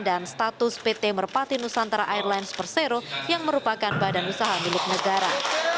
dan status pt merpati nusantara airlines persero yang merupakan badan usaha milik negara